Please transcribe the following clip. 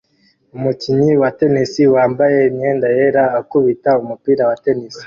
Umukinnyi wa tennis wambaye imyenda yera akubita umupira wa tennis